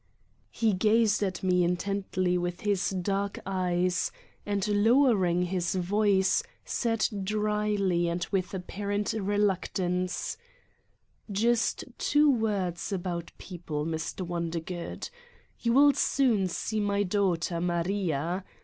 " He gazed at me intently with his dark eyes and lowering his voice said dryly and with apparent reluctance : "Just two words about people, Mr. Wonder good. You will soon see my daughter, Maria.